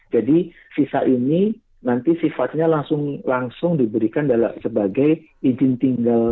jadi visa ini nanti sifatnya langsung diberikan sebagai izin tinggal